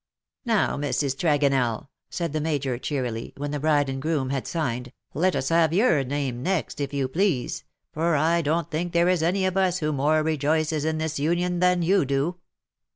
*^ Now, Mrs. Tregonell/^ said the Major, cheerily, when the bride and bridegroom had signed, "■ let us have your name next, if you please ; for I don't think there is any of us who more rejoices in this union than you do."